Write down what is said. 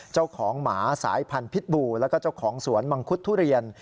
เจ้าของหมาสายพันธุ์พิษบูแล้วก็เจ้าของสวนมังคุดทุเรียน